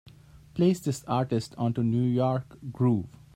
Place this artist onto new york groove.